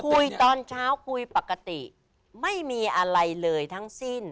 คุยตอนเช้าคุยปกติไม่มีอะไรเลยทั้งสิ้น